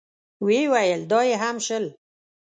ويې ويل: دا يې هم شل.